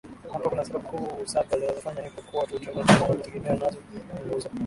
hapa Kuna sababu kuu saba zinazofanya Hip Hop kuwa utamaduni unaojitegemea nazo ni Nguzo